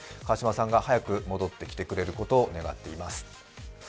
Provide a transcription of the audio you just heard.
川島さんが早く戻ってきてくれることを願っています。